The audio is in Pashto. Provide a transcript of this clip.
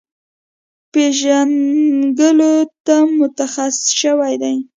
پېژنګلو ته مختص شوی دی،